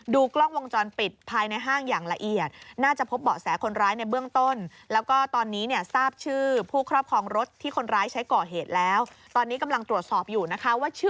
ดูกล้องวงจรปิดภายในห้างอย่างละเอียด